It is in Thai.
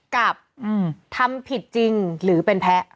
กับทำผิดจริงหรือเป็นแพ้